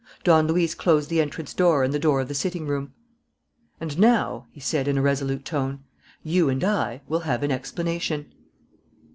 Don Luis closed the entrance door and the door of the sitting room. "And now," he said, in a resolute tone, "you and I will have an explanation."